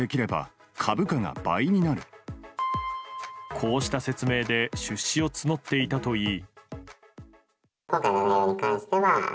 こうした説明で出資を募っていたといい。